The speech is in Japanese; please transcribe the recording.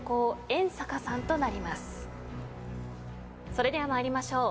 それでは参りましょう。